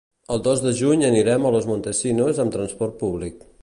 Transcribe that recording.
El dos de juny anirem a Los Montesinos amb transport públic.